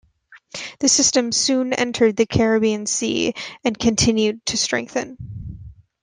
The system soon entered the Caribbean Sea and continued to strengthen.